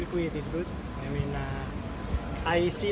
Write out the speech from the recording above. maksud saya saya melihat bahwa mereka mengembalikan peralatan